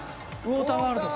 「ウォーターワールド」。